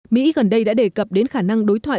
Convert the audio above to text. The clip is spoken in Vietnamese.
mỹ gần đây đã đề cập đến khả năng đối thoại